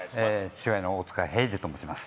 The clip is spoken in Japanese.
父親の大塚平治と申します。